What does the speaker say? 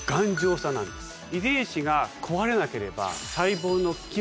遺伝子が壊れなければ。